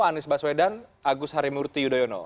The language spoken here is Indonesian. anies baswedan agus harimurti yudhoyono